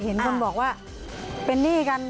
เห็นคนบอกว่าเป็นหนี้กัน